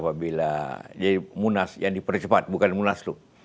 apabila munas yang dipercepat bukan munas lump